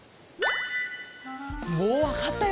もうわかったよね？